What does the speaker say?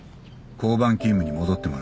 交番勤務に戻ってもらう。